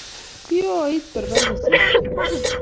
kioii berber kusirto